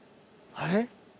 あれ？